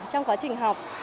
trong quá trình học